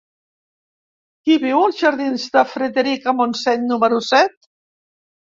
Qui viu als jardins de Frederica Montseny número set?